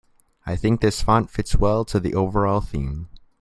I think this font fits well to the overall theme.